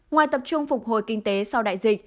ngoài tập trung phục hồi kinh tế sau đại dịch